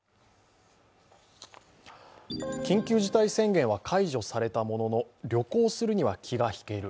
緊急事態宣言は解除されたものの旅行するには気が引ける。